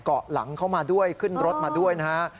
เกาะหลังเข้ามาด้วยขึ้นรถมาด้วยนะฮะ